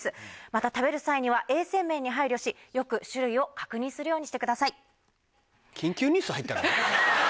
また食べる際には衛生面に配慮しよく種類を確認するようにしてください。